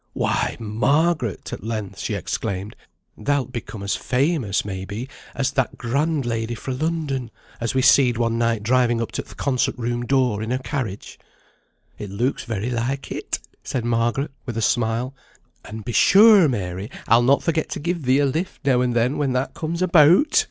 "Why, Margaret," at length she exclaimed, "thou'lt become as famous, may be, as that grand lady fra' London, as we seed one night driving up to th' concert room door in her carriage." "It looks very like it," said Margaret, with a smile. "And be sure, Mary, I'll not forget to give thee a lift now an' then when that comes about.